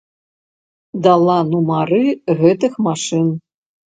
Дала нумары гэтых машын.